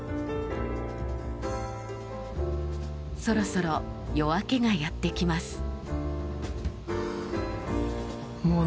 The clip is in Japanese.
そろそろ夜明けがやってきます。